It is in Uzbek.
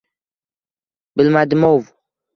Bilmadimov.